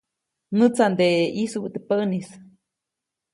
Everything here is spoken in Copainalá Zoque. Näʼtsanteʼe ʼyisubäʼ teʼ päʼnis.